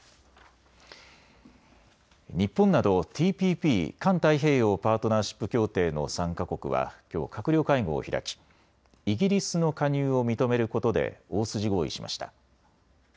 日本などＴＰＰ・環太平洋パートナーシップ協定の参加国はきょう閣僚会合を開きイギリスの加入を認めることで大筋合意しました。